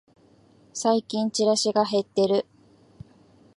最近チラシが減ってる